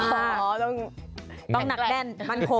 อ๋อต้องหนักแน่นมั่นคง